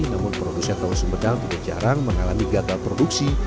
namun produsen tahu sumedang tidak jarang mengalami gagal produksi